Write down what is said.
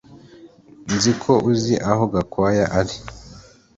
Nzi ko uzi aho Gakwaya ari